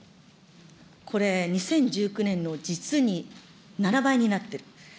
これ、２０１９年の実に７倍になってる。